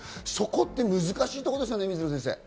そこって難しいところですよね。